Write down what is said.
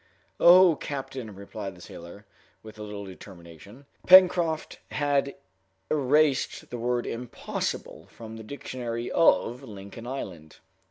"Oh, captain," replied the sailor, "with a little determination " Pencroft had erased the word "impossible" from the dictionary of Lincoln Island.